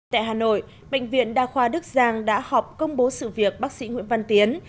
tại hà nội bệnh viện đa khoa đức giang đã họp công bố sự việc bác sĩ nguyễn văn tiến